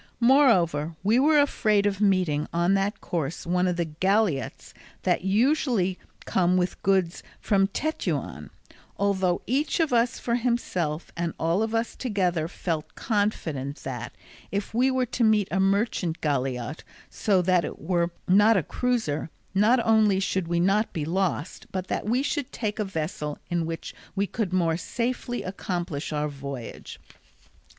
Moreover we were afraid of meeting on that course one of the galliots that usually come with goods from Tetuan; although each of us for himself and all of us together felt confident that, if we were to meet a merchant galliot, so that it were not a cruiser, not only should we not be lost, but that we should take a vessel in which we could more safely accomplish our voyage.